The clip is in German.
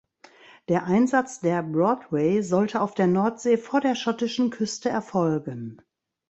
Der Einsatz der "Broadway" sollte auf der Nordsee vor der schottischen Küste erfolgen.